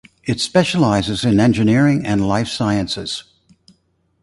It specialises in engineering and life sciences.